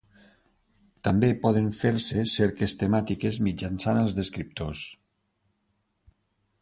També poden fer-se cerques temàtiques mitjançant els descriptors.